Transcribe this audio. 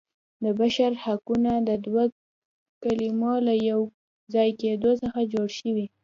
د بشر حقونه د دوو کلمو له یو ځای کیدو څخه جوړ شوي.